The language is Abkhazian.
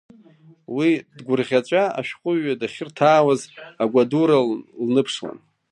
Уи дгәырӷьаҵәа, ашәҟәыҩҩы дахьырҭаауаз агәадура лныԥшуан.